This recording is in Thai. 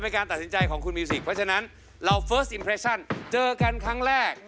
การตัดสินใจของคุณมิวสิกเพราะฉะนั้นเราเจอกันครั้งแรก